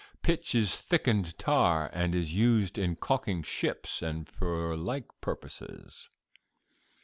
Pitch is thickened tar, and is used in calking ships and for like purposes."